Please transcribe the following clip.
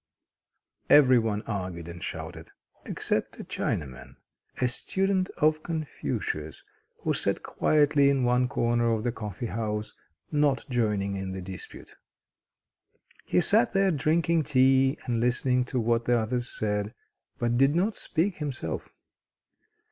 Every one argued and shouted, except a Chinaman, a student of Confucius, who sat quietly in one corner of the coffee house, not joining in the dispute. He sat there drinking tea and listening to what the others said, but did not speak himself.